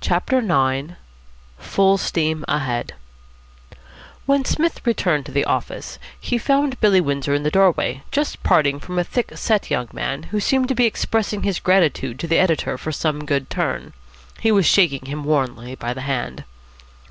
CHAPTER IX FULL STEAM AHEAD When Psmith returned to the office, he found Billy Windsor in the doorway, just parting from a thick set young man, who seemed to be expressing his gratitude to the editor for some good turn. He was shaking him warmly by the hand.